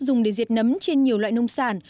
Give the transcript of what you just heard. dùng để diệt nấm trên nhiều loại nông sản